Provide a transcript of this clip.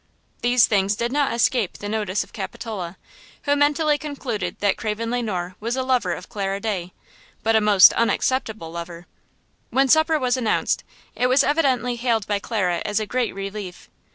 These things did not escape the notice of Capitola, who mentally concluded that Craven Le Noir was a lover of Clara Day, but a most unacceptable lover. When supper was announced it was evidently hailed by Clara as a great relief.